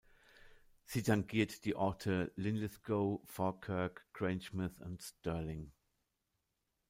Sie tangiert die Orte Linlithgow, Falkirk, Grangemouth und Stirling.